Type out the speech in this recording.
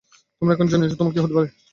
তোমরা এখন জানিয়াছ, তোমরা কি করিতে পার।